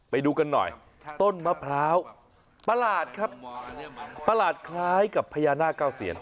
ไปดูกันหน่อยต้นมะพร้าวประหลาดครับประหลาดคล้ายกับพญานาคเก้าเซียน